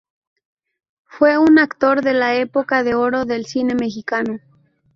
Fue un actor de la Época de Oro del Cine Mexicano.